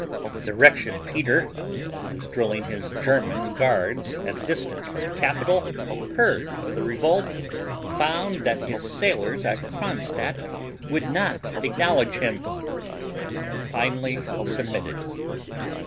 The wretched Peter, who was drilling his German guards at a distance from the capital, heard of the revolt, found that his sailors at Kronstadt would not acknowledge him, and then finally submitted.